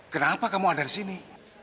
kenapa kamu ada di sini